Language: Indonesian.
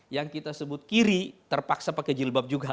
yang kita sebut kiri terpaksa pakai jilbab juga